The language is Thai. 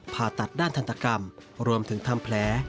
ผ่าตัดด้านทันตกรรมรวมถึงทำแผล